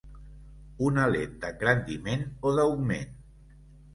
Una lent d'engrandiment o d'augment.